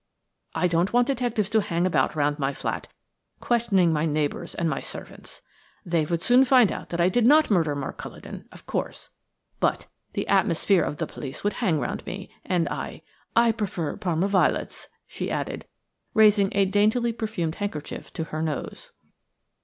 I don't want detectives to hang about round my flat, questioning my neighbours and my servants. They would soon find out that I did not murder Mark Culledon, of course; but the atmosphere of the police would hang round me, and I–I prefer Parma violets," she added, raising a daintily perfumed handkerchief to her nose.